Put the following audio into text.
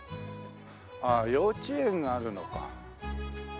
ああ幼稚園があるのか。